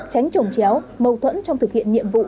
tránh trồng chéo mâu thuẫn trong thực hiện nhiệm vụ